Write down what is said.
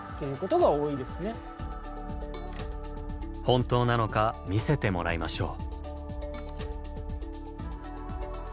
本当なのか見せてもらいましょう。